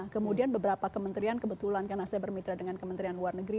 kemudian beberapa kementerian kebetulan karena saya bermitra dengan kementerian luar negeri